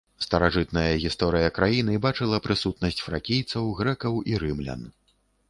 Старажытная гісторыя краіны бачыла прысутнасць фракійцаў, грэкаў і рымлян.